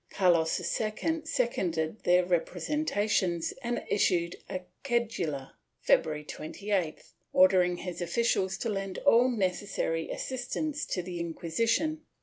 Carlos II seconded their representations, and issued a cedula, February 28th, ordering his officials to lend all necessary assist ance to the Inquisition.